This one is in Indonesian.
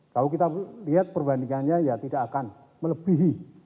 kalau kita lihat perbandingannya ya tidak akan melebihi